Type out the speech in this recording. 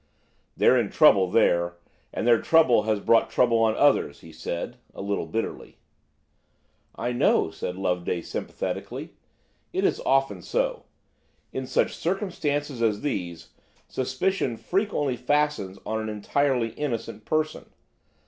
"They're in trouble there, and their trouble has brought trouble on others," he said a little bitterly. "I know," said Loveday sympathetically; "it is often so. In such circumstances as these suspicions frequently fastens on an entirely innocent person."